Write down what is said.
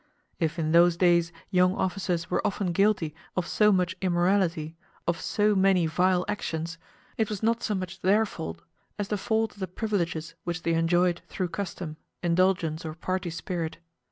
If in those days young officers were often guilty of so much immorality, of so many vile actions, it was not so much their fault as the fault of the privileges which they enjoyed through custom, indulgence, or party spirit.